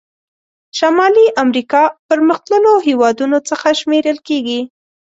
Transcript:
شمالي امریکا پرمختللو هېوادونو څخه شمیرل کیږي.